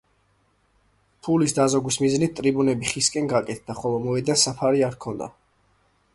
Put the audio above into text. ფულის დაზოგვის მიზნით, ტრიბუნები ხისგან გაკეთდა, ხოლო მოედანს საფარი არ ჰქონდა.